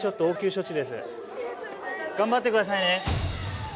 頑張って下さいね。